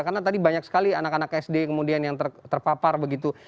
karena tadi banyak sekali anak anak sd kemudian yang terpapar begitu